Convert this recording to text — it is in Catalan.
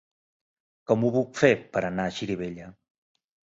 Com ho puc fer per anar a Xirivella?